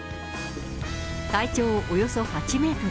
体長およそ８メートル。